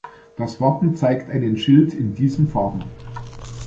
Das Wappen zeigt einen Schild in diesen Farben.